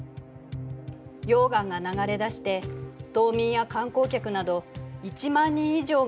溶岩が流れ出して島民や観光客など１万人以上が避難したのよ。